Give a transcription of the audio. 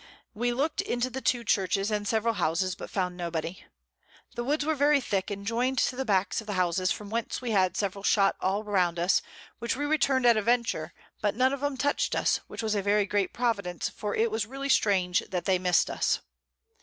We look'd into the two Churches, and several Houses, but found nobody. The Woods were very thick, and join'd to the Backs of the Houses, from whence we had several Shot all round us, which we return'd at a venture, but none of 'em touched us, which was a very great Providence, for it was really strange that they miss'd us.